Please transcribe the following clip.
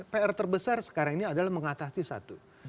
pr terbesar sekarang ini adalah mengatasi satu